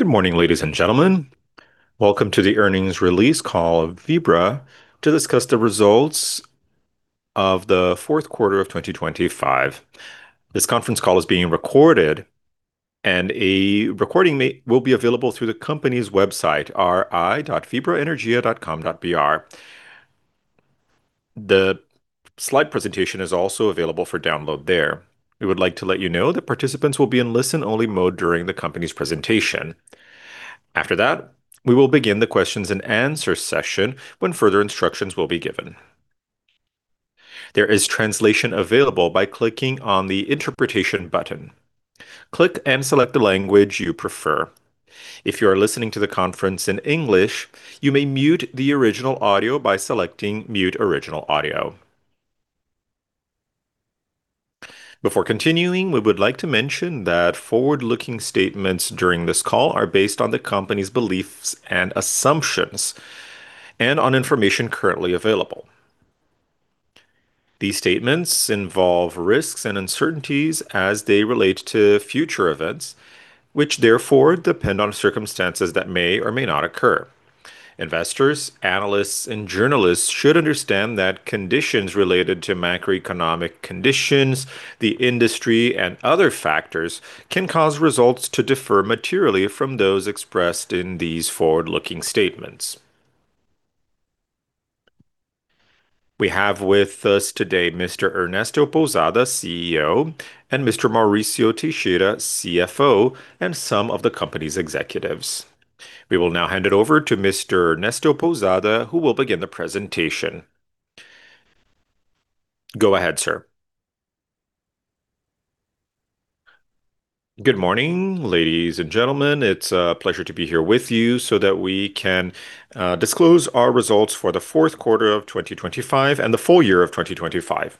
Good morning, ladies and gentlemen. Welcome to the earnings release call of Vibra to discuss the results of the fourth quarter of 2025. This conference call is being recorded, and a recording will be available through the company's website, ri.vibraenergia.com.br. The slide presentation is also available for download there. We would like to let you know that participants will be in listen-only mode during the company's presentation. After that, we will begin the questions and answer session when further instructions will be given. There is translation available by clicking on the interpretation button. Click and select the language you prefer. If you are listening to the conference in English, you may mute the original audio by selecting Mute Original Audio. Before continuing, we would like to mention that forward-looking statements during this call are based on the company's beliefs and assumptions and on information currently available. These statements involve risks and uncertainties as they relate to future events, which therefore depend on circumstances that may or may not occur. Investors, analysts, and journalists should understand that conditions related to macroeconomic conditions, the industry, and other factors can cause results to differ materially from those expressed in these forward-looking statements. We have with us today Mr. Ernesto Pousada, CEO, and Mr. Mauricio Teixeira, CFO, and some of the company's executives. We will now hand it over to Mr. Ernesto Pousada, who will begin the presentation. Go ahead, sir. Good morning, ladies and gentlemen. It's a pleasure to be here with you so that we can disclose our results for the fourth quarter of 2025 and the full year of 2025.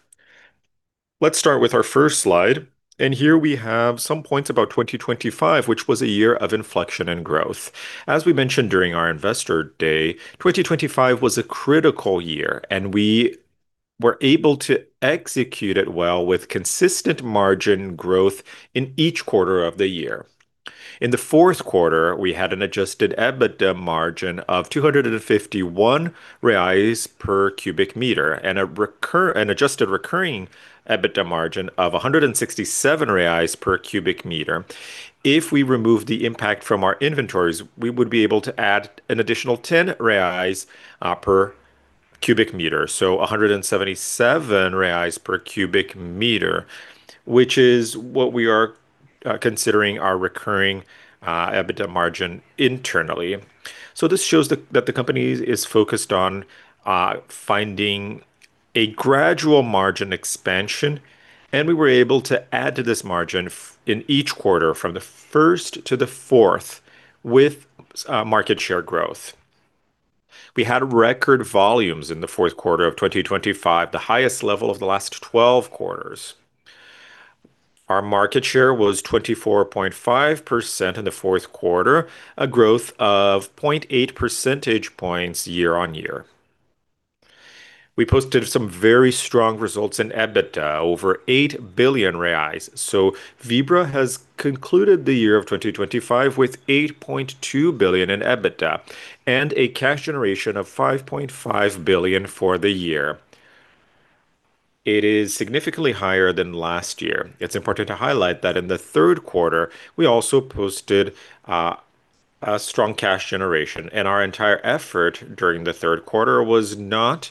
Let's start with our first slide, and here we have some points about 2025, which was a year of inflection and growth. As we mentioned during our Investor Day, 2025 was a critical year, and we were able to execute it well with consistent margin growth in each quarter of the year. In the fourth quarter, we had an adjusted EBITDA margin of 251 reais per cubic meter and an adjusted recurring EBITDA margin of 167 reais per cubic meter. If we remove the impact from our inventories, we would be able to add an additional 10 reais per cubic meter, so 177 reais per cubic meter, which is what we are considering our recurring EBITDA margin internally. This shows that the company is focused on finding a gradual margin expansion, and we were able to add to this margin in each quarter from the first to the fourth with market share growth. We had record volumes in the fourth quarter of 2025, the highest level of the last twelve quarters. Our market share was 24.5% in the fourth quarter, a growth of 0.8 percentage points year-on-year. We posted some very strong results in EBITDA, over 8 billion reais. Vibra has concluded the year of 2025 with 8.2 billion in EBITDA and a cash generation of 5.5 billion for the year. It is significantly higher than last year. It's important to highlight that in the third quarter, we also posted a strong cash generation, and our entire effort during the third quarter was not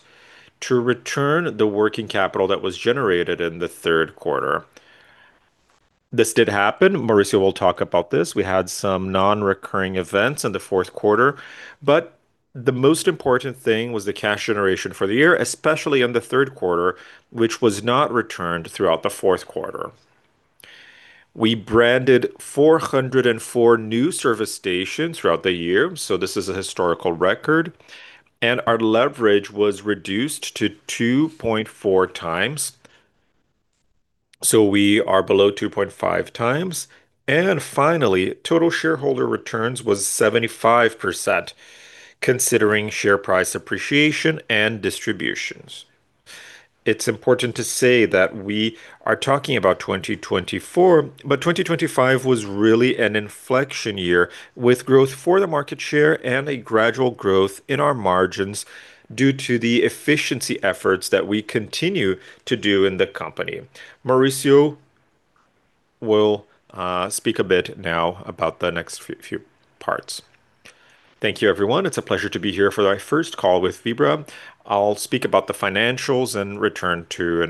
to return the working capital that was generated in the third quarter. This did happen. Mauricio will talk about this. We had some non-recurring events in the fourth quarter, but the most important thing was the cash generation for the year, especially in the third quarter, which was not returned throughout the fourth quarter. We branded 404 new service stations throughout the year, so this is a historical record. Our leverage was reduced to 2.4x, so we are below 2.5x. Finally, total shareholder returns was 75%, considering share price appreciation and distributions. It's important to say that we are talking about 2024, but 2025 was really an inflection year with growth for the market share and a gradual growth in our margins due to the efficiency efforts that we continue to do in the company. Mauricio will speak a bit now about the next few parts. Thank you, everyone. It's a pleasure to be here for my first call with Vibra. I'll speak about the financials and return to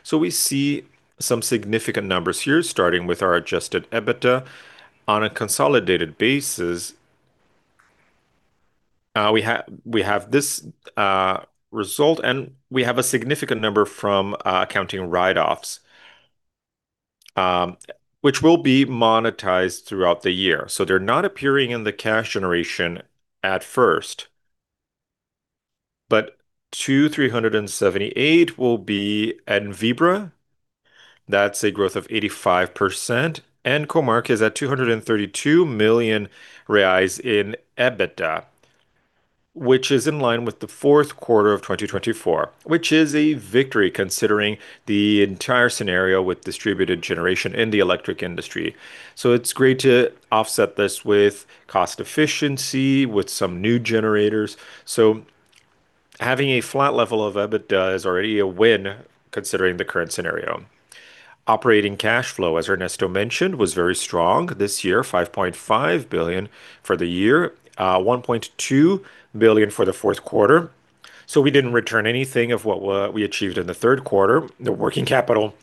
Ernesto. We see some significant numbers here, starting with our adjusted EBITDA on a consolidated basis. We have this result, and we have a significant number from accounting write-offs, which will be monetized throughout the year. They're not appearing in the cash generation at first. BRL 2,378 will be at Vibra. That's a growth of 85%. Comerc is at 232 million reais in EBITDA, which is in line with the fourth quarter of 2024, which is a victory considering the entire scenario with distributed generation in the electric industry. It's great to offset this with cost efficiency, with some new generators. Having a flat level of EBITDA is already a win considering the current scenario. Operating cash flow, as Ernesto mentioned, was very strong this year, 5.5 billion for the year, 1.2 billion for the fourth quarter. We didn't return anything of what we achieved in the third quarter. The working capital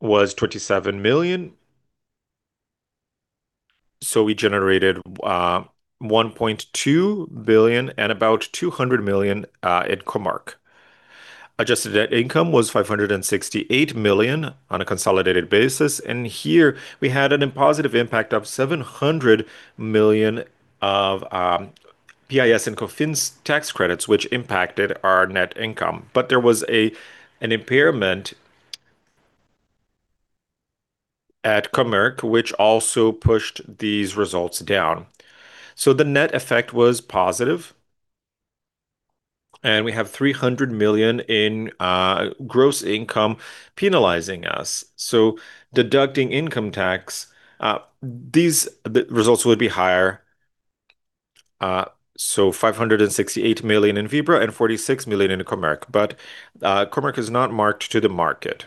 was BRL 27 million. We generated, 1.2 billion and about 200 million, at Comerc. Adjusted net income was 568 million on a consolidated basis, and here we had a positive impact of 700 million of PIS and COFINS tax credits, which impacted our net income. There was an impairment at Comerc which also pushed these results down. The net effect was positive, and we have 300 million in gross income penalizing us. Deducting income tax, the results would be higher. 568 million in Vibra and 46 million in Comerc. Comerc is not marked to market.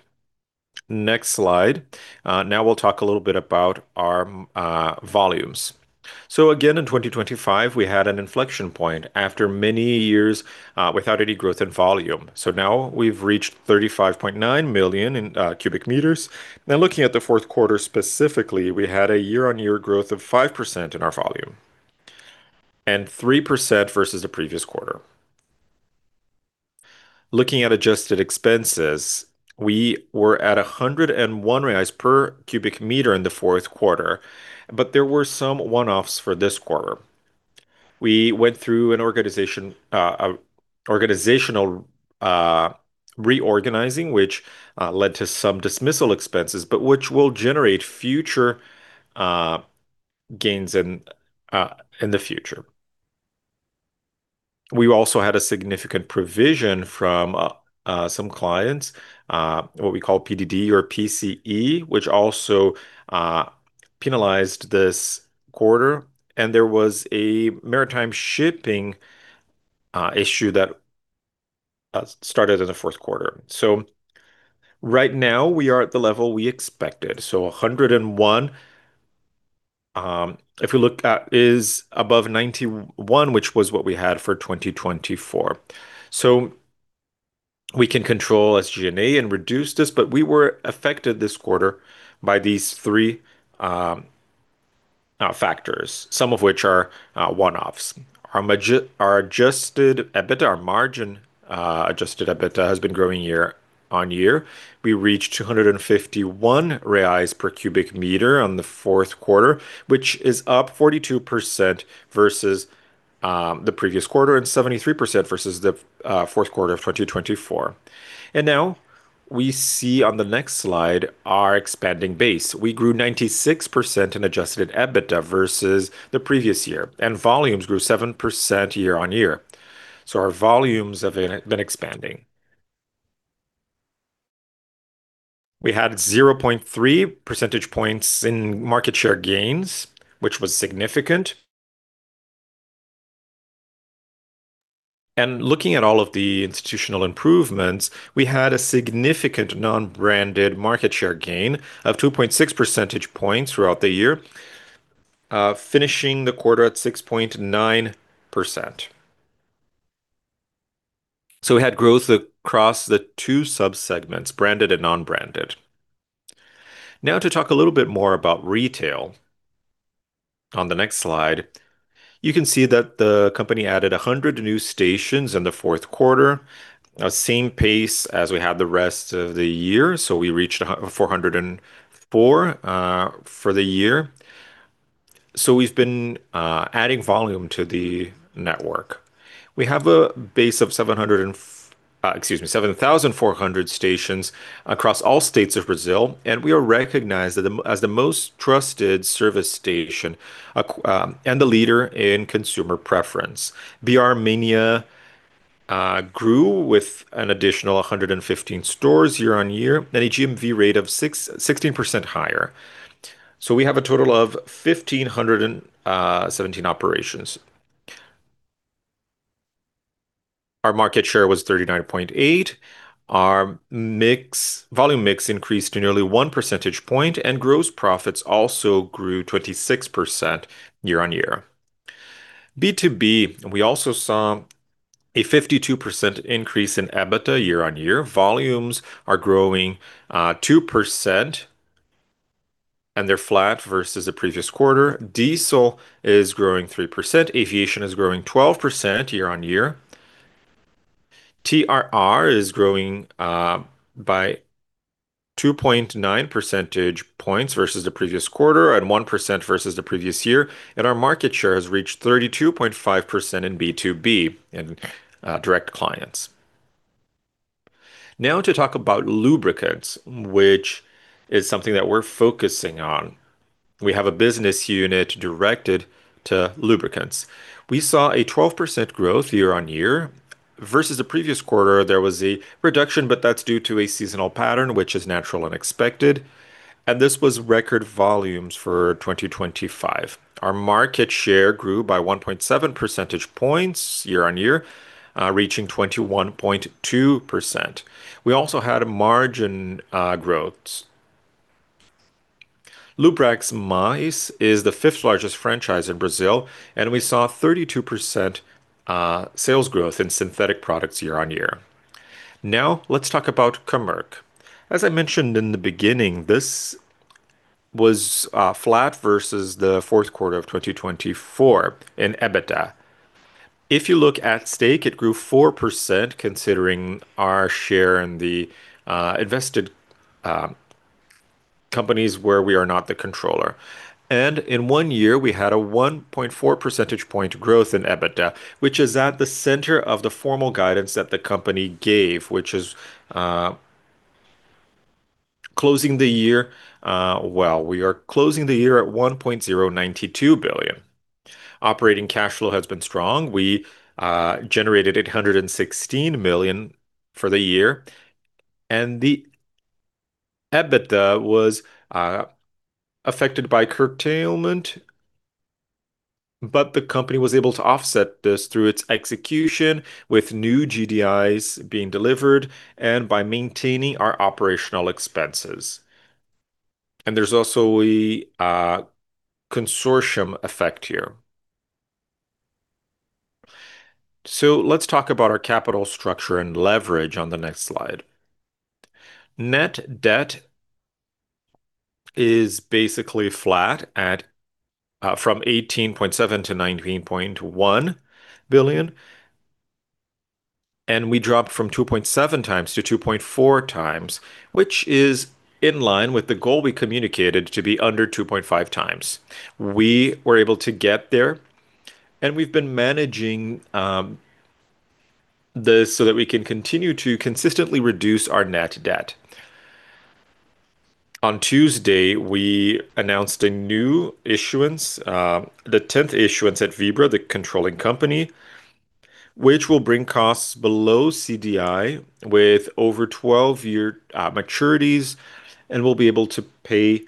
Next slide. Now we'll talk a little bit about our volumes. Again, in 2025, we had an inflection point after many years without any growth in volume. Now we've reached 35.9 million cubic meters. Now looking at the fourth quarter specifically, we had a year-on-year growth of 5% in our volume and 3% versus the previous quarter. Looking at adjusted expenses, we were at 101 reais per cubic meter in the fourth quarter, but there were some one-offs for this quarter. We went through a reorganization, which led to some dismissal expenses, but which will generate future gains in the future. We also had a significant provision from some clients, what we call PDD or PCE, which also penalized this quarter, and there was a maritime shipping issue that started in the fourth quarter. Right now, we are at the level we expected. 101, if we look at, is above 91, which was what we had for 2024. We can control SG&A and reduce this, but we were affected this quarter by these three factors, some of which are one-offs. Our adjusted EBITDA margin has been growing year-on-year. We reached 251 reais per cubic meter on the fourth quarter, which is up 42% versus the previous quarter and 73% versus the fourth quarter of 2024. Now we see on the next slide our expanding base. We grew 96% in adjusted EBITDA versus the previous year, and volumes grew 7% year-on-year. Our volumes have been expanding. We had 0.3 percentage points in market share gains, which was significant. Looking at all of the institutional improvements, we had a significant non-branded market share gain of 2.6 percentage points throughout the year, finishing the quarter at 6.9%. We had growth across the two subsegments, branded and non-branded. Now to talk a little bit more about retail. On the next slide, you can see that the company added 100 new stations in the fourth quarter, same pace as we had the rest of the year. We reached 404 for the year. We've been adding volume to the network. We have a base of 7,400 stations across all states of Brazil, and we are recognized as the most trusted service station and the leader in consumer preference. BR Mania grew with an additional 115 stores year-on-year at a GMV rate of 16% higher. We have a total of 1,517 operations. Our market share was 39.8%. Our mix, volume mix increased to nearly 1 percentage point, and gross profits also grew 26% year-on-year. B2B, we also saw a 52% increase in EBITDA year-on-year. Volumes are growing 2%, and they're flat versus the previous quarter. Diesel is growing 3%. Aviation is growing 12% year-on-year. TRR is growing by 2.9 percentage points versus the previous quarter and 1% versus the previous year. Our market share has reached 32.5% in B2B in direct clients. Now to talk about lubricants, which is something that we're focusing on. We have a business unit directed to lubricants. We saw a 12% growth year-on-year versus the previous quarter, there was a reduction, but that's due to a seasonal pattern, which is natural and expected, and this was record volumes for 2025. Our market share grew by 1.7 percentage points year-on-year, reaching 21.2%. We also had a margin growth. Lubrax+ is the fifth-largest franchise in Brazil, and we saw 32% sales growth in synthetic products year-on-year. Now let's talk about Comerc. As I mentioned in the beginning, this was flat versus the fourth quarter of 2024 in EBITDA. If you look at stake, it grew 4% considering our share in the invested companies where we are not the controller. In one year we had a 1.4 percentage point growth in EBITDA, which is at the center of the formal guidance that the company gave, which is closing the year. We are closing the year at 1.092 billion. Operating cash flow has been strong. We generated 816 million for the year, and the EBITDA was affected by curtailment, but the company was able to offset this through its execution with new GDIs being delivered and by maintaining our operational expenses. There's also a consortium effect here. Let's talk about our capital structure and leverage on the next slide. Net debt is basically flat at from 18.7 billion to 19.1 billion, and we dropped from 2.7x to 2.4x, which is in line with the goal we communicated to be under 2.5x. We were able to get there, and we've been managing this so that we can continue to consistently reduce our net debt. On Tuesday, we announced a new issuance, the 10th issuance at Vibra, the controlling company, which will bring costs below CDI with over 12-year maturities, and we'll be able to pay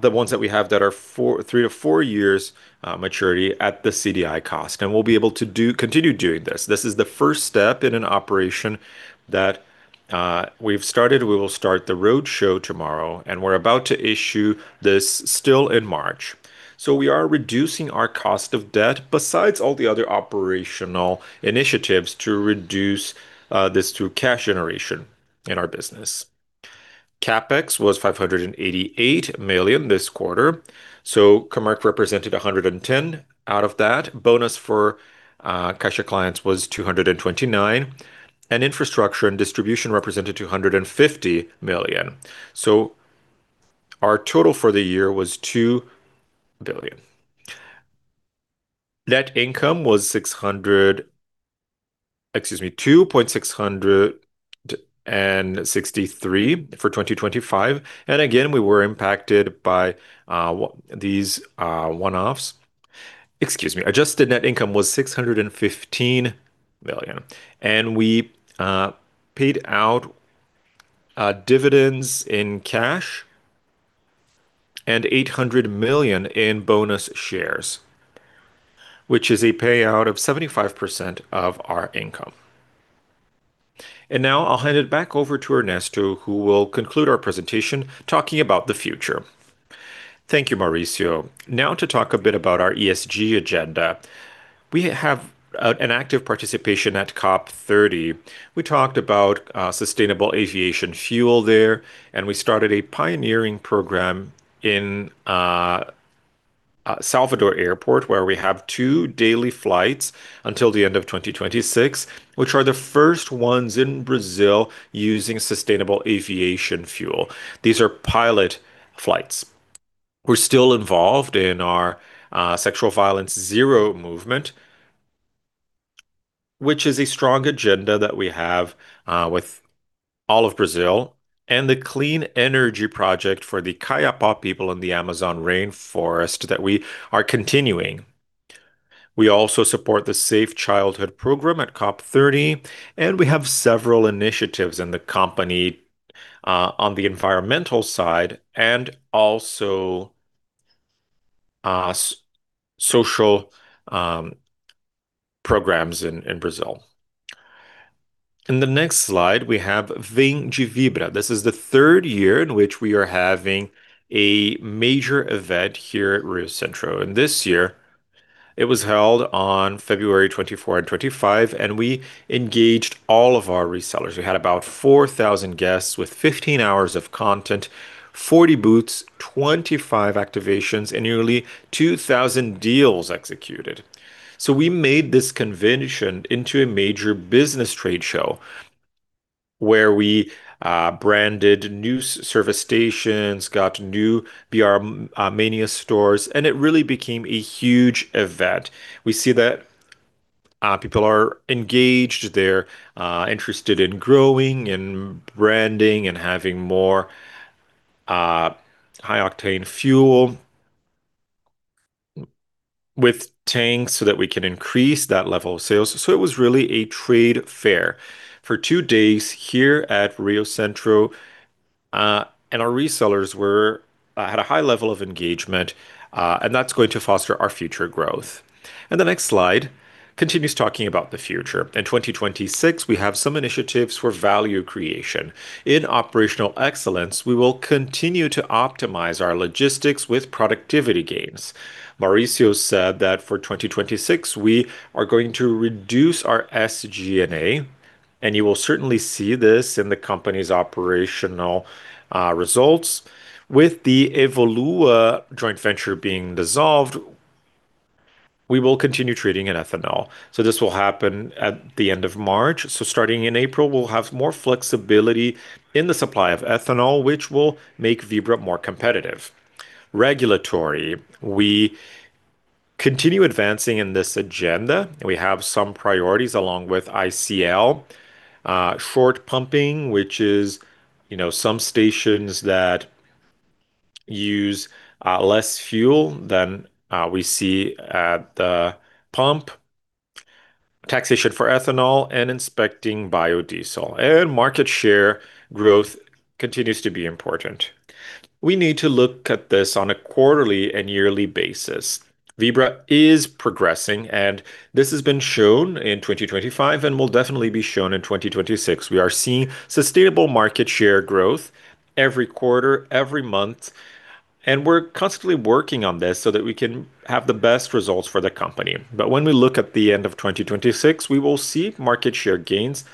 the ones that we have that are three to four years maturity at the CDI cost, and we'll be able to continue doing this. This is the first step in an operation that we've started. We will start the road show tomorrow, and we're about to issue this still in March. We are reducing our cost of debt besides all the other operational initiatives to reduce this through cash generation in our business. CapEx was 588 million this quarter, so Comerc represented 110 million out of that. Bonus for cash clients was 229 million, and infrastructure and distribution represented 250 million. Our total for the year was 2 billion. Net income was 2.663 billion for 2025. We were impacted by these one-offs. Adjusted net income was 615 million, and we paid out dividends in cash and 800 million in bonus shares, which is a payout of 75% of our income. Now I'll hand it back over to Ernesto, who will conclude our presentation talking about the future. Thank you, Mauricio. Now to talk a bit about our ESG agenda. We have an active participation at COP30. We talked about sustainable aviation fuel there, and we started a pioneering program in Salvador Airport, where we have two daily flights until the end of 2026, which are the first ones in Brazil using sustainable aviation fuel. These are pilot flights. We're still involved in our Violência Sexual Zero movement, which is a strong agenda that we have with all of Brazil, and the Clean Energy Project for the Kayapó people in the Amazon rainforest that we are continuing. We also support the Safe Childhood Program at COP30, and we have several initiatives in the company on the environmental side and also social programs in Brazil. In the next slide we have Vem de Vibra. This is the third year in which we are having a major event here at Riocentro, and this year it was held on February 24 and 25, and we engaged all of our resellers. We had about 4,000 guests with 15 hours of content, 40 booths, 25 activations, and nearly 2,000 deals executed. We made this convention into a major business trade show where we branded new service stations, got new BR Mania stores, and it really became a huge event. We see our people are engaged, they're interested in growing and branding and having more high octane fuel with tanks so that we can increase that level of sales. It was really a trade fair for two days here at Riocentro. Our resellers had a high level of engagement, and that's going to foster our future growth. The next slide continues talking about the future. In 2026, we have some initiatives for value creation. In operational excellence, we will continue to optimize our logistics with productivity gains. Mauricio said that for 2026, we are going to reduce our SG&A, and you will certainly see this in the company's operational results. With the Evolua joint venture being dissolved, we will continue trading in ethanol. This will happen at the end of March. Starting in April, we'll have more flexibility in the supply of ethanol, which will make Vibra more competitive. Regulatory. We continue advancing in this agenda. We have some priorities along with IBP. Short pumping, which is, you know, some stations that use less fuel than we see at the pump, taxation for ethanol and inspecting biodiesel. Market share growth continues to be important. We need to look at this on a quarterly and yearly basis. Vibra is progressing, and this has been shown in 2025 and will definitely be shown in 2026. We are seeing sustainable market share growth every quarter, every month, and we're constantly working on this so that we can have the best results for the company. When we look at the end of 2026, we will see market share gains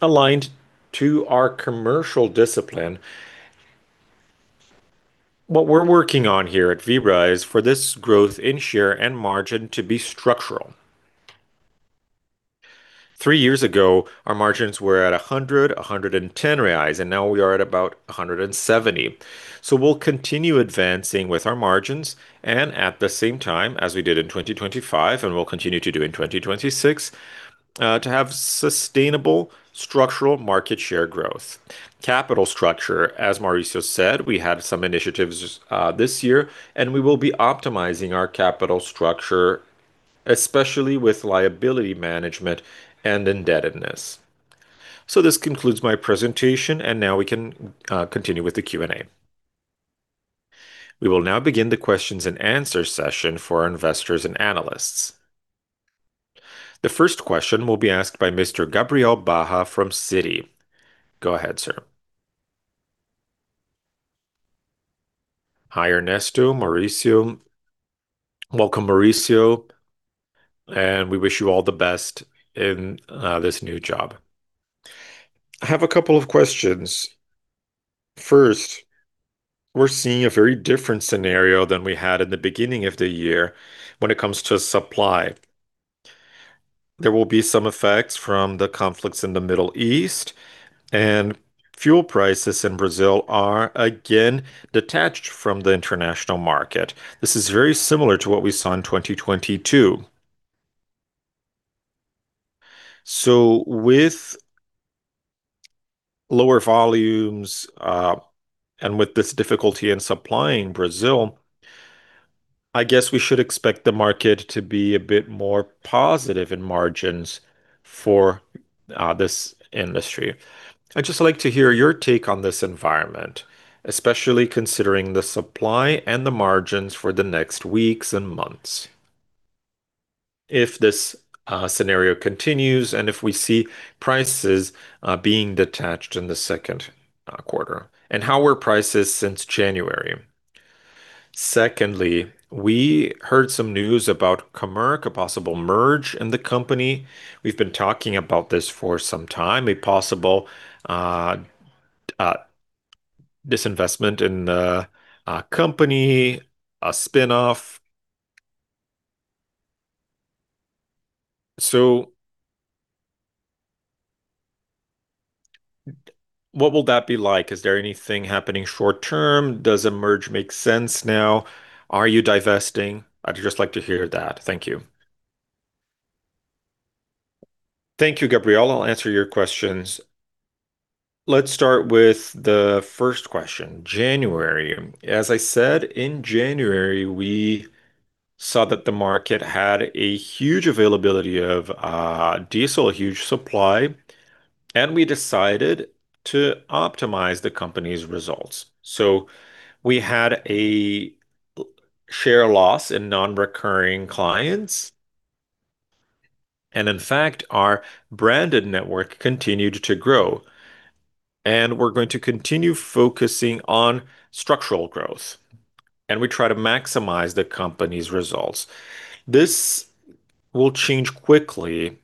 aligned to our commercial discipline. What we're working on here at Vibra is for this growth in share and margin to be structural. Three years ago, our margins were at 100, 110 reais, and now we are at about 170. We'll continue advancing with our margins and at the same time as we did in 2025 and will continue to do in 2026 to have sustainable structural market share growth. Capital structure. As Mauricio said, we had some initiatives this year, and we will be optimizing our capital structure, especially with liability management and indebtedness. This concludes my presentation, and now we can continue with the Q&A. We will now begin the questions and answer session for our investors and analysts. The first question will be asked by Mr. Gabriel Barra from Citi. Go ahead, sir. Hi, Ernesto, Mauricio. Welcome, Mauricio, and we wish you all the best in this new job. I have a couple of questions. First, we're seeing a very different scenario than we had at the beginning of the year when it comes to supply. There will be some effects from the conflicts in the Middle East, and fuel prices in Brazil are again detached from the international market. This is very similar to what we saw in 2022. With lower volumes, and with this difficulty in supplying Brazil, I guess we should expect the market to be a bit more positive in margins for this industry. I'd just like to hear your take on this environment, especially considering the supply and the margins for the next weeks and months. If this scenario continues and if we see prices being detached in the second quarter, and how were prices since January? Secondly, we heard some news about Comerc, a possible merger in the company. We've been talking about this for some time, a possible disinvestment in the company, a spin-off. What will that be like? Is there anything happening short-term? Does a merger make sense now? Are you divesting? I'd just like to hear that. Thank you. Thank you, Gabriel. I'll answer your questions. Let's start with the first question. January. As I said, in January, we saw that the market had a huge availability of diesel, a huge supply, and we decided to optimize the company's results. We had a share loss in non-recurring clients. In fact, our branded network continued to grow, and we're going to continue focusing on structural growth. We try to maximize the company's results. This will change quickly,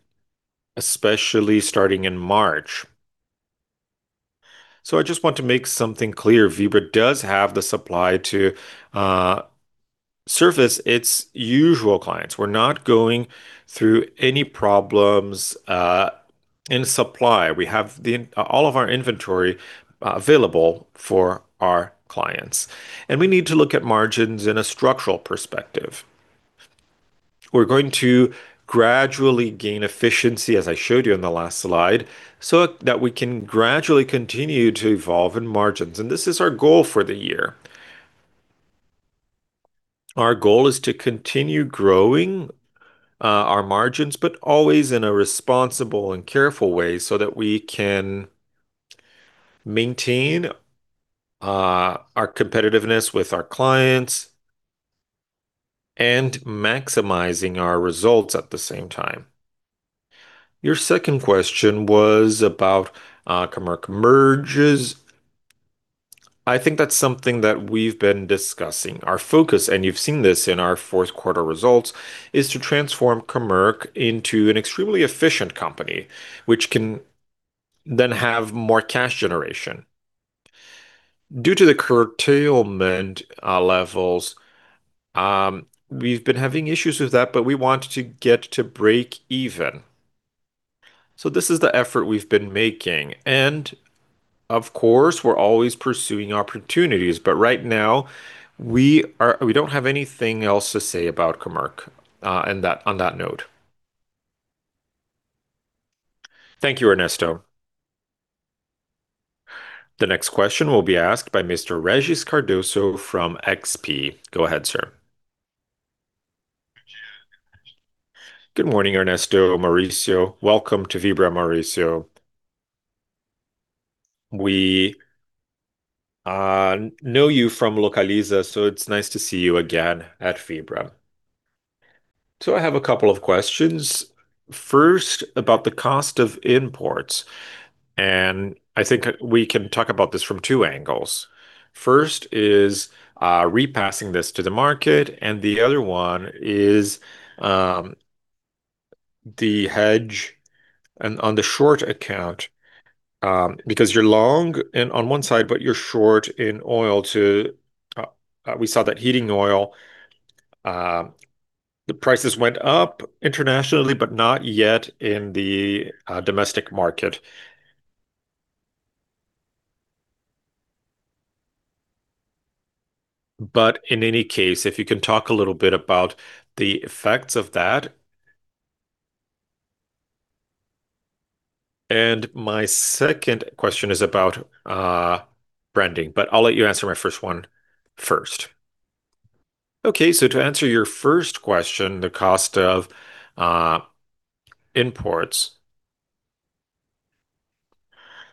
especially starting in March. I just want to make something clear. Vibra does have the supply to service its usual clients. We're not going through any problems in supply. We have all of our inventory available for our clients, and we need to look at margins in a structural perspective. We're going to gradually gain efficiency, as I showed you in the last slide, so that we can gradually continue to evolve in margins, and this is our goal for the year. Our goal is to continue growing our margins, but always in a responsible and careful way so that we can maintain our competitiveness with our clients and maximizing our results at the same time. Your second question was about Comerc merger. I think that's something that we've been discussing. Our focus, and you've seen this in our fourth quarter results, is to transform Comerc into an extremely efficient company which can then have more cash generation. Due to the curtailment levels, we've been having issues with that, but we want to get to break even. This is the effort we've been making. Of course, we're always pursuing opportunities, but right now we don't have anything else to say about Comerc, on that note. Thank you, Ernesto. The next question will be asked by Mr. Regis Cardoso from XP. Go ahead, sir. From XP. Good morning, Ernesto, Mauricio. Welcome to Vibra, Mauricio. We know you from Localiza, so it's nice to see you again at Vibra. I have a couple of questions. First, about the cost of imports, and I think we can talk about this from two angles. First is repassing this to the market, and the other one is the hedge on the short account, because you're long on one side, but you're short in oil too. We saw that heating oil, the prices went up internationally, but not yet in the domestic market. In any case, if you can talk a little bit about the effects of that. My second question is about branding. I'll let you answer my first one first. Okay. To answer your first question, the cost of imports.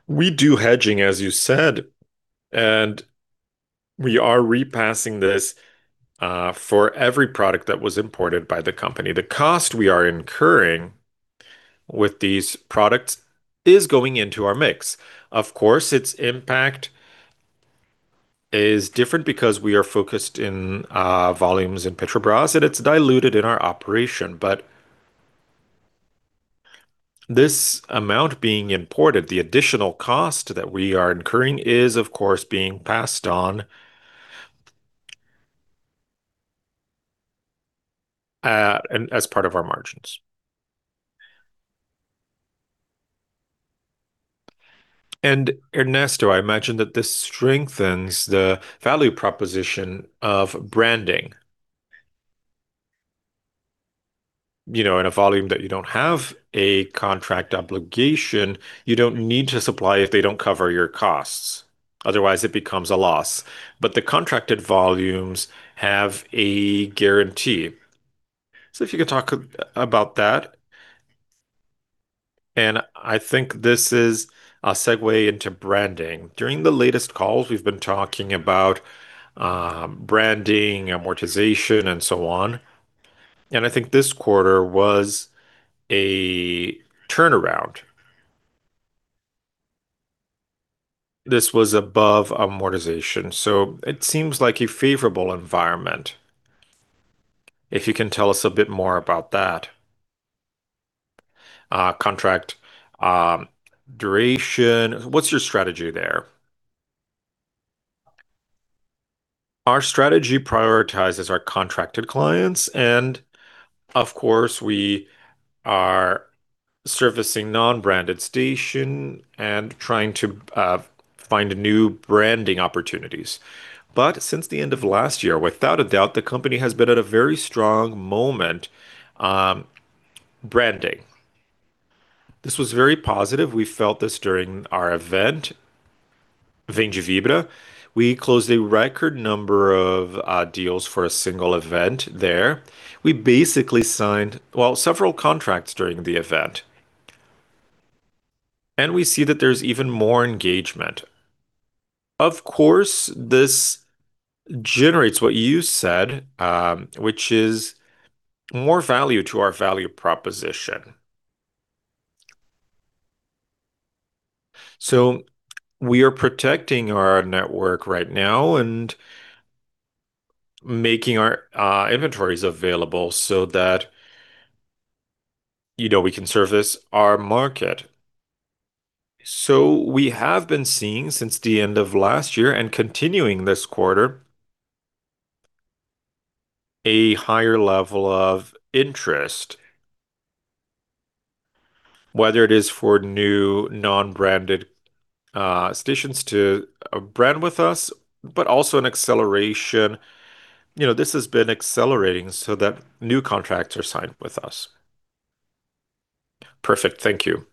We do hedging, as you said, and we are repassing this for every product that was imported by the company. The cost we are incurring with these products is going into our mix. Of course, its impact is different because we are focused in volumes in Petrobras, and it's diluted in our operation. This amount being imported, the additional cost that we are incurring is, of course, being passed on and as part of our margins. Ernesto, I imagine that this strengthens the value proposition of branding. You know, in a volume that you don't have a contract obligation, you don't need to supply if they don't cover your costs, otherwise it becomes a loss. The contracted volumes have a guarantee. If you could talk about that. I think this is a segue into branding. During the latest calls, we've been talking about branding, amortization, and so on, and I think this quarter was a turnaround. This was above amortization, so it seems like a favorable environment. If you can tell us a bit more about that. Contract duration, what's your strategy there? Our strategy prioritizes our contracted clients, and of course, we are servicing non-branded station and trying to find new branding opportunities. Since the end of last year, without a doubt, the company has been at a very strong moment branding. This was very positive. We felt this during our event, Vem de Vibra. We closed a record number of deals for a single event there. We basically signed, well, several contracts during the event. We see that there's even more engagement. Of course, this generates what you said, which is more value to our value proposition. We are protecting our network right now and making our inventories available so that, you know, we can service our market. We have been seeing since the end of last year and continuing this quarter. A higher level of interest, whether it is for new non-branded stations to a brand with us, but also an acceleration. You know, this has been accelerating so that new contracts are signed with us. Perfect. Thank you.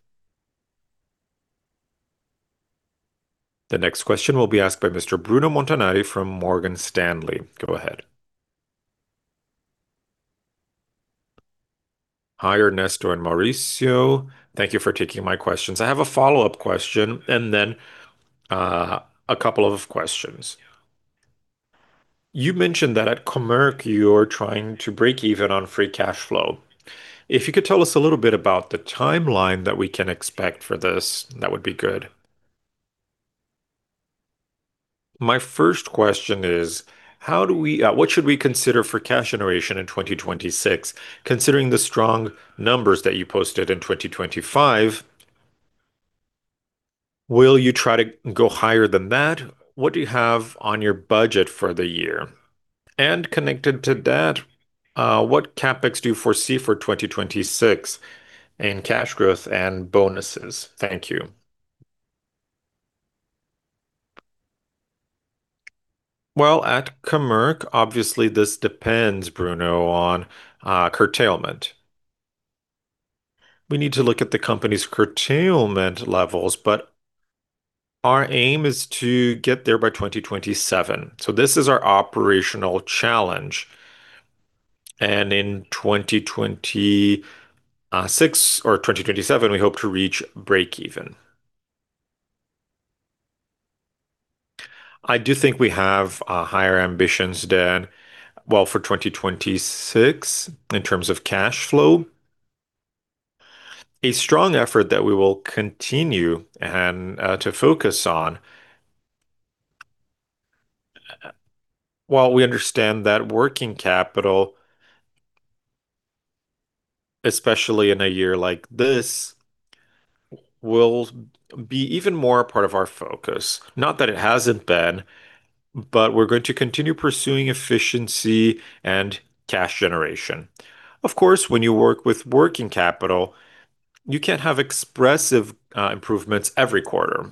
The next question will be asked by Mr. Bruno Montanari from Morgan Stanley. Go ahead. Hi, Ernesto and Mauricio. Thank you for taking my questions. I have a follow-up question and then, a couple of questions. You mentioned that at Comerc, you're trying to break even on free cash flow. If you could tell us a little bit about the timeline that we can expect for this, that would be good. My first question is, what should we consider for cash generation in 2026, considering the strong numbers that you posted in 2025? Will you try to go higher than that? What do you have on your budget for the year? Connected to that, what CapEx do you foresee for 2026 in cash growth and bonuses? Thank you. Well, at Comerc, obviously this depends, Bruno, on, curtailment. We need to look at the company's curtailment levels, but our aim is to get there by 2027. This is our operational challenge. In 2026 or 2027, we hope to reach breakeven. I do think we have higher ambitions than, well, for 2026 in terms of cash flow. A strong effort that we will continue and to focus on. While we understand that working capital, especially in a year like this, will be even more a part of our focus. Not that it hasn't been, but we're going to continue pursuing efficiency and cash generation. Of course, when you work with working capital, you can't have expressive improvements every quarter.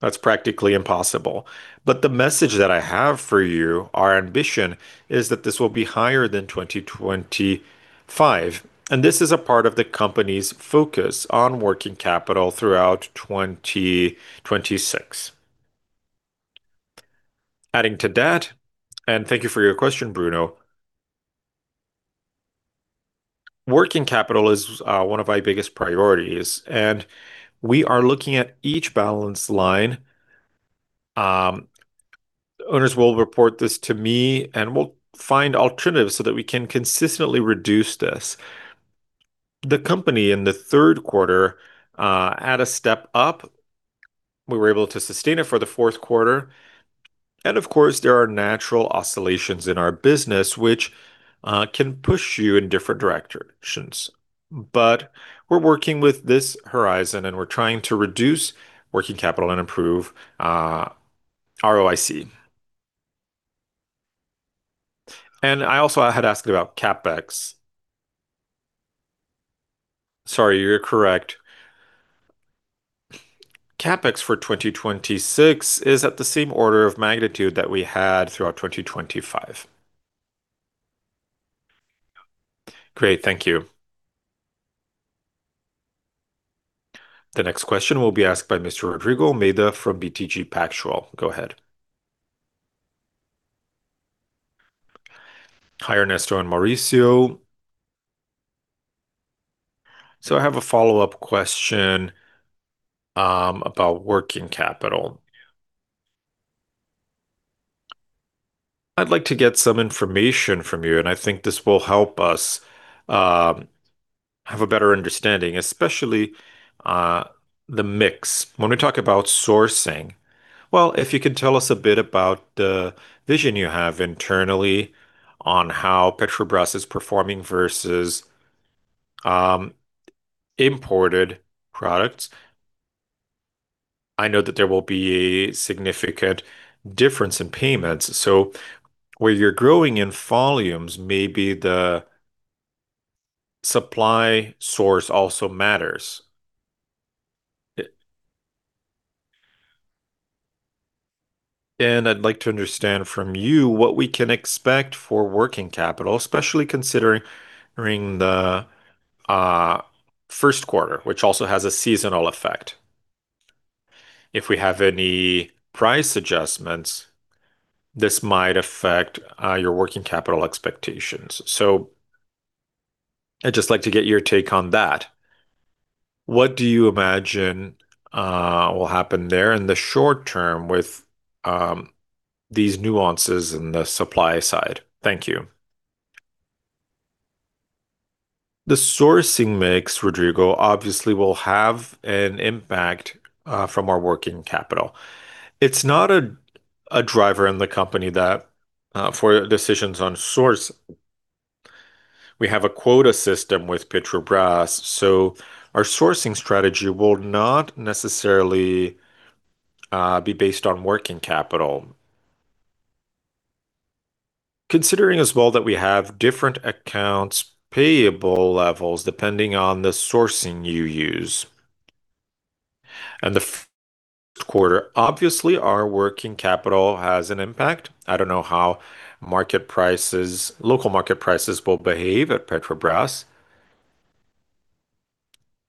That's practically impossible. The message that I have for you, our ambition, is that this will be higher than 2025, and this is a part of the company's focus on working capital throughout 2026. Adding to that, thank you for your question, Bruno. Working capital is one of our biggest priorities, and we are looking at each balance line. Owners will report this to me, and we'll find alternatives so that we can consistently reduce this. The company in the third quarter had a step up. We were able to sustain it for the fourth quarter. Of course, there are natural oscillations in our business which can push you in different directions. But we're working with this horizon, and we're trying to reduce working capital and improve ROIC. I also had asked about CapEx. Sorry, you're correct. CapEx for 2026 is at the same order of magnitude that we had throughout 2025. Great. Thank you. The next question will be asked by Mr. Rodrigo Almeida from BTG Pactual. Go ahead. Hi, Ernesto Pousada and Mauricio Teixeira. I have a follow-up question about working capital. I'd like to get some information from you, and I think this will help us have a better understanding, especially the mix. When we talk about sourcing, well, if you could tell us a bit about the vision you have internally on how Petrobras is performing versus imported products. I know that there will be a significant difference in payments. Where you're growing in volumes, maybe the supply source also matters. I'd like to understand from you what we can expect for working capital, especially considering the first quarter, which also has a seasonal effect. If we have any price adjustments, this might affect your working capital expectations. I'd just like to get your take on that. What do you imagine will happen there in the short term with these nuances in the supply side? Thank you. The sourcing mix, Rodrigo, obviously will have an impact from our working capital. It's not a driver in the company that for decisions on sourcing. We have a quota system with Petrobras, so our sourcing strategy will not necessarily be based on working capital. Considering as well that we have different accounts payable levels depending on the sourcing you use. The quarter, obviously our working capital has an impact. I don't know how market prices, local market prices will behave at Petrobras.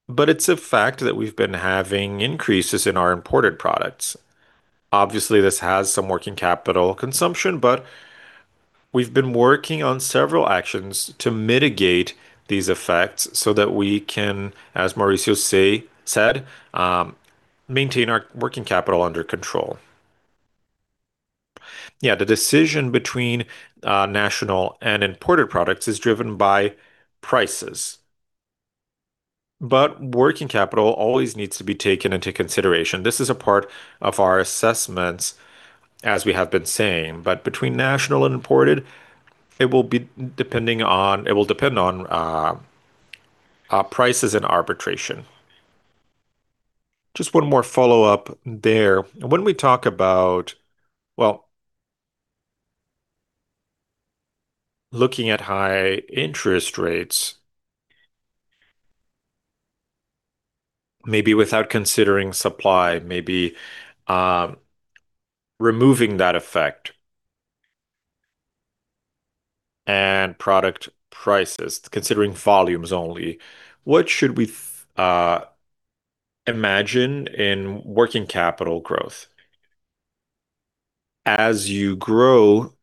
It's a fact that we've been having increases in our imported products. Obviously, this has some working capital consumption, but we've been working on several actions to mitigate these effects so that we can, as Mauricio said, maintain our working capital under control. Yeah. The decision between national and imported products is driven by prices. Working capital always needs to be taken into consideration. This is a part of our assessments as we have been saying. Between national and imported, it will depend on prices and arbitration. Just one more follow-up there. When we talk about, well, looking at high interest rates, maybe without considering supply, maybe, removing that effect and product prices, considering volumes only, what should we imagine in working capital growth? As you grow,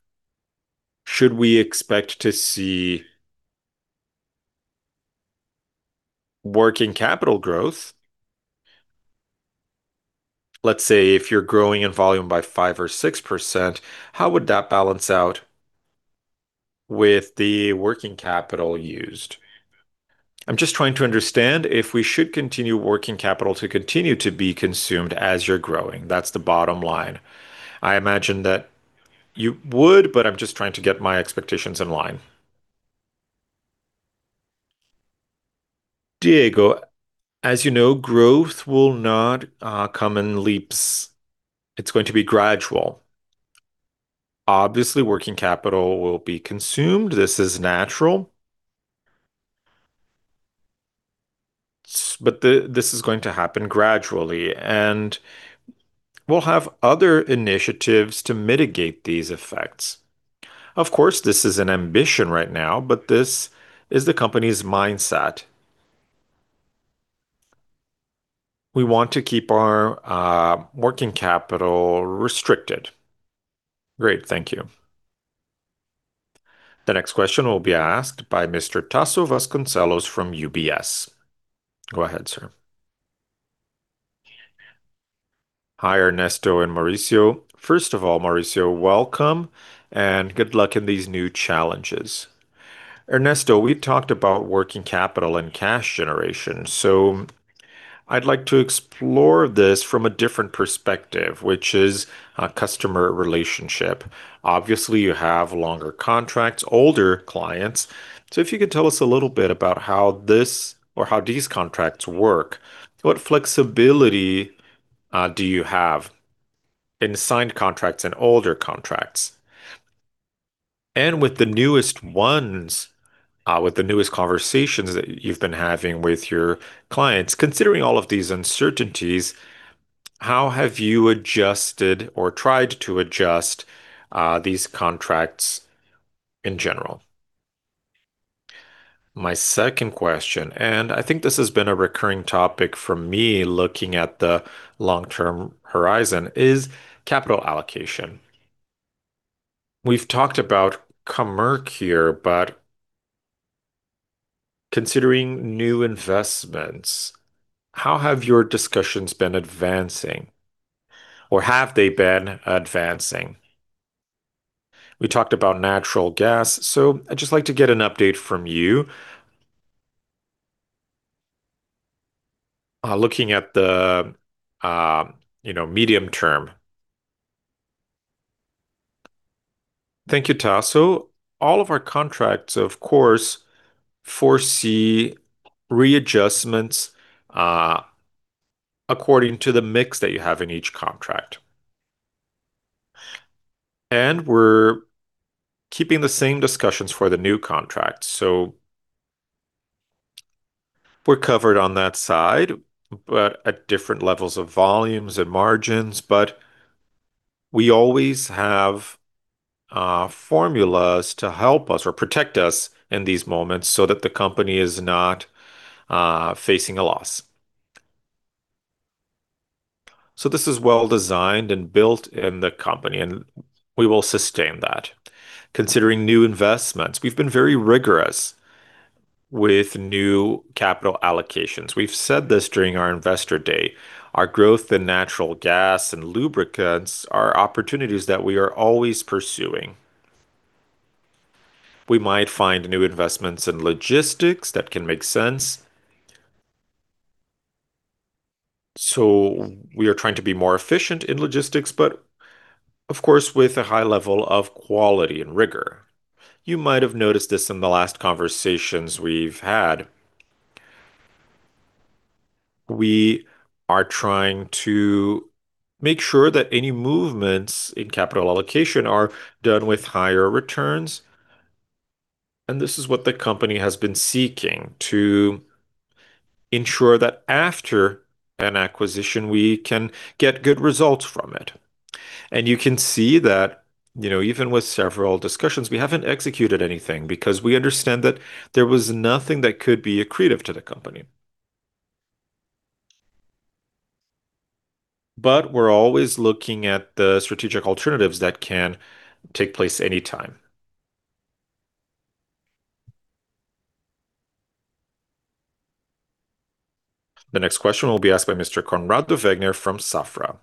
should we expect to see working capital growth? Let's say if you're growing in volume by 5%-6%, how would that balance out with the working capital used? I'm just trying to understand if we should continue working capital to continue to be consumed as you're growing. That's the bottom line. I imagine that you would, but I'm just trying to get my expectations in line. Rodrigo Almeida, as you know, growth will not come in leaps. It's going to be gradual. Obviously, working capital will be consumed. This is natural. But this is going to happen gradually, and we'll have other initiatives to mitigate these effects. Of course, this is an ambition right now, but this is the company's mindset. We want to keep our working capital restricted. Great. Thank you. The next question will be asked by Mr. Tasso Vasconcellos from UBS. Go ahead, sir. Hi, Ernesto Pousada and Mauricio Teixeira. First of all, Mauricio, welcome and good luck in these new challenges. Ernesto, we talked about working capital and cash generation. I'd like to explore this from a different perspective, which is customer relationship. Obviously, you have longer contracts, older clients. If you could tell us a little bit about how this or how these contracts work, what flexibility do you have in signed contracts and older contracts? And with the newest ones, with the newest conversations that you've been having with your clients, considering all of these uncertainties, how have you adjusted or tried to adjust these contracts in general? My second question, and I think this has been a recurring topic for me looking at the long-term horizon, is capital allocation. We've talked about Comerc here, but considering new investments, how have your discussions been advancing? Or have they been advancing? We talked about natural gas, so I'd just like to get an update from you, looking at the, you know, medium term. Thank you, Tasso. All of our contracts, of course, foresee readjustments, according to the mix that you have in each contract. We're keeping the same discussions for the new contract. We're covered on that side, but at different levels of volumes and margins. We always have formulas to help us or protect us in these moments so that the company is not facing a loss. This is well designed and built in the company, and we will sustain that. Considering new investments, we've been very rigorous with new capital allocations. We've said this during our investor day. Our growth in natural gas and lubricants are opportunities that we are always pursuing. We might find new investments in logistics that can make sense. We are trying to be more efficient in logistics, but of course, with a high level of quality and rigor. You might have noticed this in the last conversations we've had. We are trying to make sure that any movements in capital allocation are done with higher returns, and this is what the company has been seeking to ensure that after an acquisition, we can get good results from it. You can see that, you know, even with several discussions, we haven't executed anything because we understand that there was nothing that could be accretive tothe company. We're always looking at the strategic alternatives that can take place anytime. The next question will be asked by Mr. Conrado Vegner from Safra.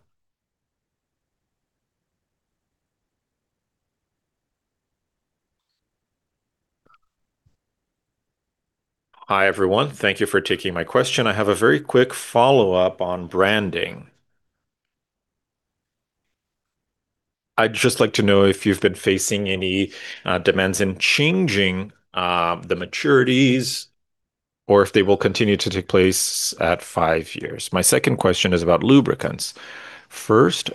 Hi, everyone. Thank you for taking my question. I have a very quick follow-up on branding. I'd just like to know if you've been facing any demands in changing the maturities or if they will continue to take place at five years. My second question is about lubricants. First,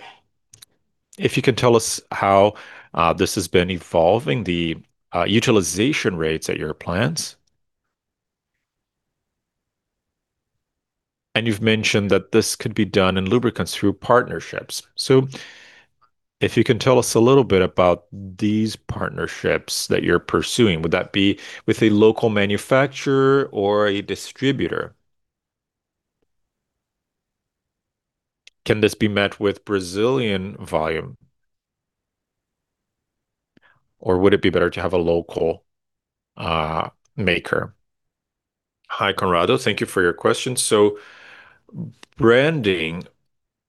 if you could tell us how this has been evolving, the utilization rates at your plants. You've mentioned that this could be done in lubricants through partnerships. If you can tell us a little bit about these partnerships that you're pursuing, would that be with a local manufacturer or a distributor? Can this be met with Brazilian volume, or would it be better to have a local maker? Hi, Conrado. Thank you for your question. Branding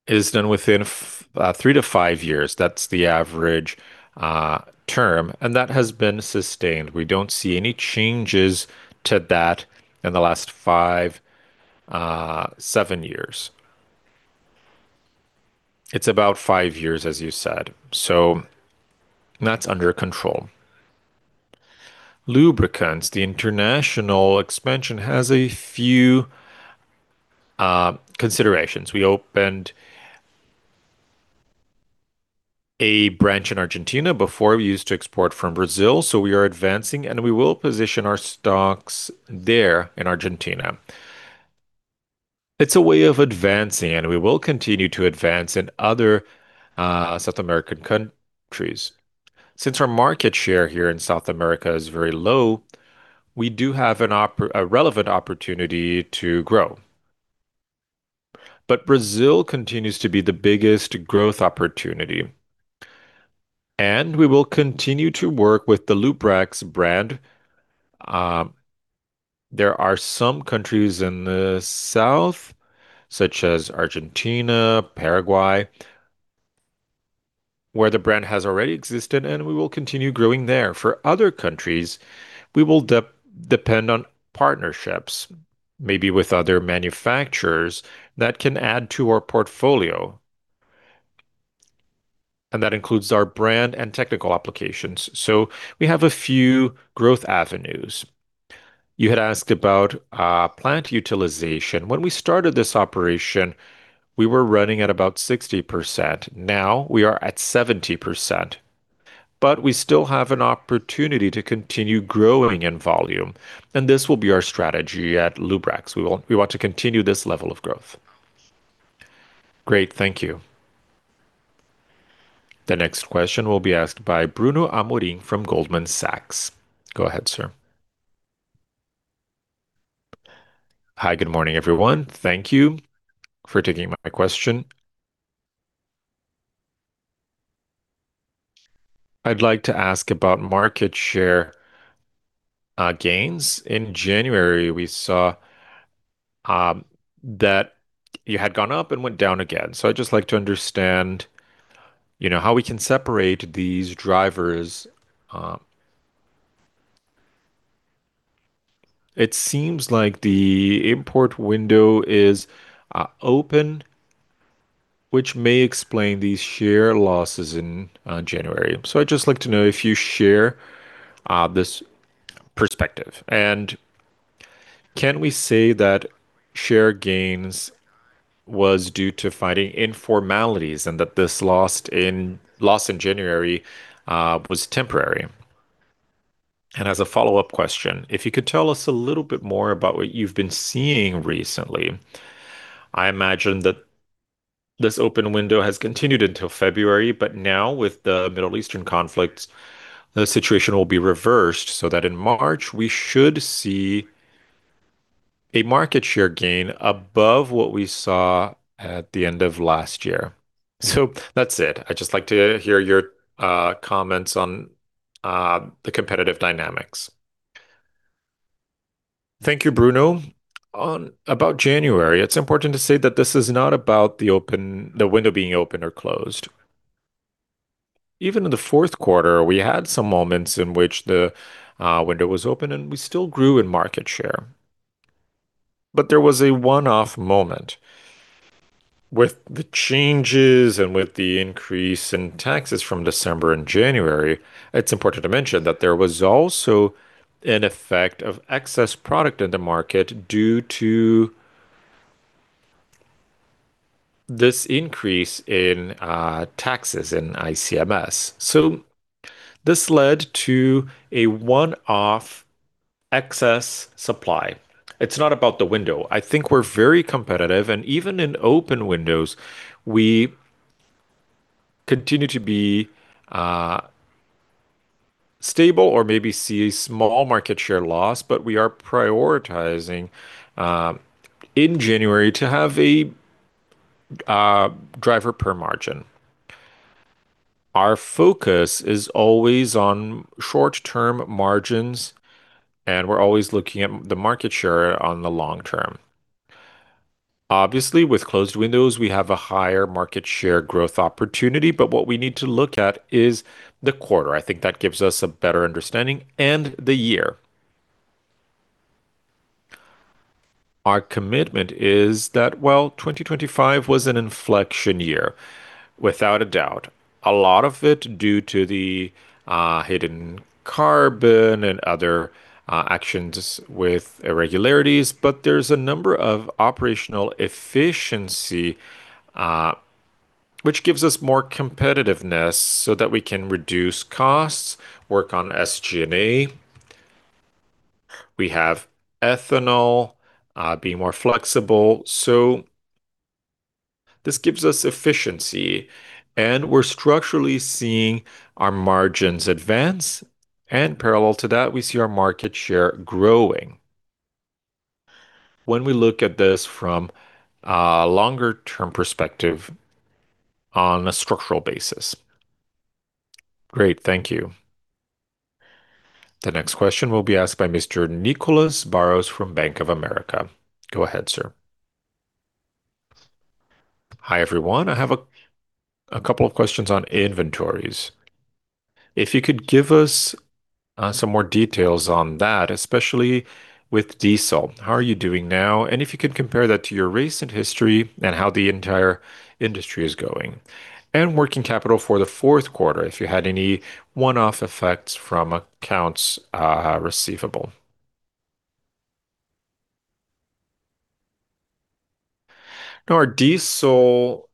is done within three to five years. That's the average term, and that has been sustained. We don't see any changes to that in the last five to seven years. It's about five years, as you said, so that's under control. Lubricants, the international expansion has a few considerations. We opened a branch in Argentina. Before, we used to export from Brazil, so we are advancing, and we will position our stocks there in Argentina. It's a way of advancing, and we will continue to advance in other South American countries. Since our market share here in South America is very low, we do have a relevant opportunity to grow. Brazil continues to be the biggest growth opportunity, and we will continue to work with the Lubrax brand. There are some countries in the south, such as Argentina, Paraguay, where the brand has already existed, and we will continue growing there. For other countries, we will de-depend on partnerships, maybe with other manufacturers that can add to our portfolio, and that includes our brand and technical applications. We have a few growth avenues. You had asked about plant utilization. When we started this operation, we were running at about 60%. Now we are at 70%, but we still have an opportunity to continue growing in volume, and this will be our strategy at Lubrax. We want to continue this level of growth. Great. Thank you. The next question will be asked by Bruno Amorim from Goldman Sachs. Go ahead, sir. Hi, good morning, everyone. Thank you for taking my question. I'd like to ask about market share gains. In January, we saw that you had gone up and went down again. I'd just like to understand, you know, how we can separate these drivers. It seems like the import window is open, which may explain these share losses in January. I'd just like to know if you share this perspective. Can we say that share gains was due to fighting informalities and that this loss in January was temporary? As a follow-up question, if you could tell us a little bit more about what you've been seeing recently. I imagine that this open window has continued until February, but now with the Middle Eastern conflict, the situation will be reversed, so that in March, we should see a market share gain above what we saw at the end of last year. That's it. I'd just like to hear your comments on the competitive dynamics. Thank you, Bruno. About January, it's important to say that this is not about the window being open or closed. Even in the fourth quarter, we had some moments in which the window was open, and we still grew in market share. There was a one-off moment with the changes and with the increase in taxes from December and January. It's important to mention that there was also an effect of excess product in the market due to this increase in taxes in ICMS. This led to a one-off excess supply. It's not about the window. I think we're very competitive, and even in open windows, we continue to be stable or maybe see small market share loss, but we are prioritizing in January to have a dollar per margin. Our focus is always on short-term margins, and we're always looking at the market share on the long term. Obviously, with closed windows, we have a higher market share growth opportunity, but what we need to look at is the quarter, I think that gives us a better understanding, and the year. Our commitment is that, well, 2025 was an inflection year, without a doubt. A lot of it due to the Carbono Oculto and other actions with irregularities. There's a number of operational efficiency, which gives us more competitiveness so that we can reduce costs, work on SG&A. We have ethanol be more flexible. This gives us efficiency, and we're structurally seeing our margins advance. Parallel to that, we see our market share growing when we look at this from a longer term perspective on a structural basis. Great. Thank you. The next question will be asked by Mr. Nicholas Barros from Bank of America. Go ahead, sir. Hi, everyone. I have a couple of questions on inventories. If you could give us some more details on that, especially with diesel, how are you doing now? If you could compare that to your recent history and how the entire industry is going. Working capital for the fourth quarter, if you had any one-off effects from accounts receivable. Now our diesel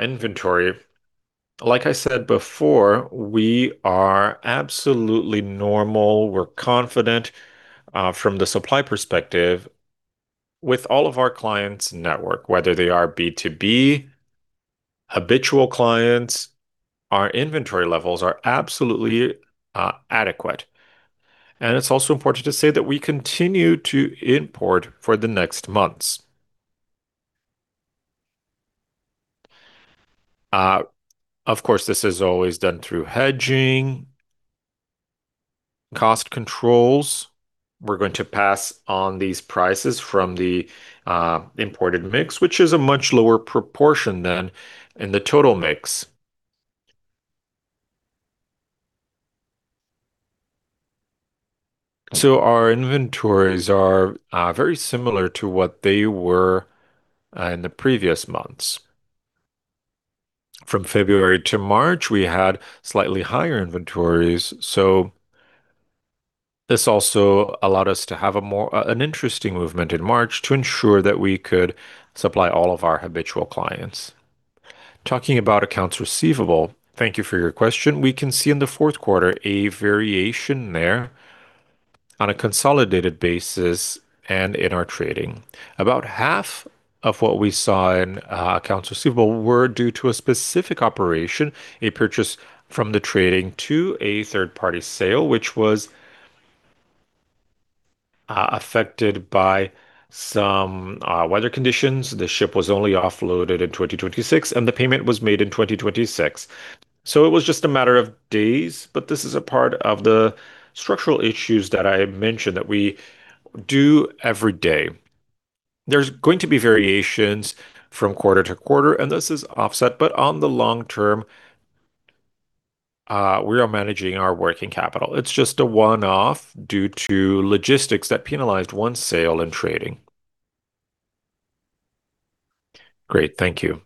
inventory, like I said before, we are absolutely normal. We're confident from the supply perspective with all of our clients network, whether they are B2B, habitual clients, our inventory levels are absolutely adequate. It's also important to say that we continue to import for the next months. Of course, this is always done through hedging, cost controls. We're going to pass on these prices from the imported mix, which is a much lower proportion than in the total mix. Our inventories are very similar to what they were in the previous months. From February to March, we had slightly higher inventories, so this also allowed us to have a more interesting movement in March to ensure that we could supply all of our habitual clients. Talking about accounts receivable, thank you for your question, we can see in the fourth quarter a variation there on a consolidated basis, and in our trading. About half of what we saw in accounts receivable were due to a specific operation, a purchase from the trading to a third party sale, which was affected by some weather conditions. The ship was only offloaded in 2026, and the payment was made in 2026. It was just a matter of days, but this is a part of the structural issues that I mentioned that we do every day. There's going to be variations from quarter to quarter, and this is offset. On the long term, we are managing our working capital. It's just a one-off due to logistics that penalized one sale in trading. Great. Thank you.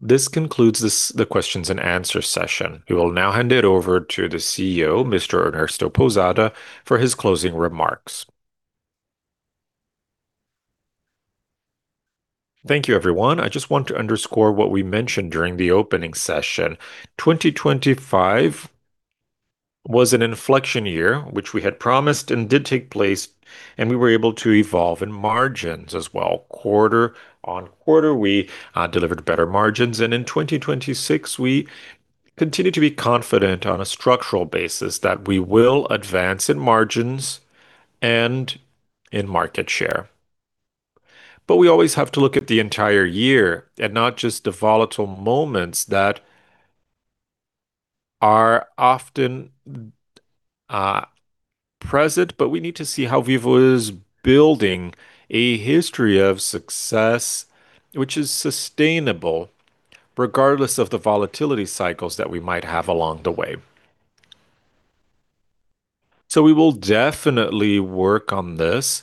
This concludes this, the questions and answer session. We will now hand it over to the CEO, Mr. Ernesto Pousada, for his closing remarks. Thank you, everyone. I just want to underscore what we mentioned during the opening session. 2025 was an inflection year, which we had promised and did take place, and we were able to evolve in margins as well. Quarter on quarter, we delivered better margins. In 2026, we continue to be confident on a structural basis that we will advance in margins and in market share. We always have to look at the entire year and not just the volatile moments that are often present, but we need to see how Vibra is building a history of success which is sustainable regardless of the volatility cycles that we might have along the way. We will definitely work on this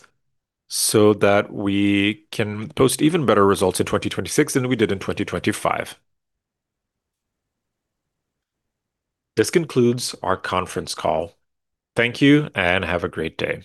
so that we can post even better results in 2026 than we did in 2025. This concludes our conference call. Thank you and have a great day.